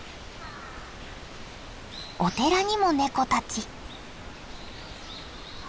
お寺にもネコたち。